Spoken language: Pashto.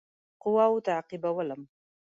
قواوو تعقیبولم.